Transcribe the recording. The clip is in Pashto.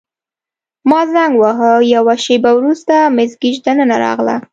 ما زنګ وواهه، یوه شیبه وروسته مس ګیج دننه راغله.